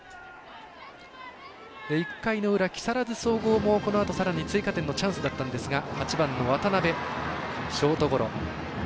１回の裏、木更津総合もこのあとさらに追加点のチャンスだったんですが８番の渡辺、ショートゴロ。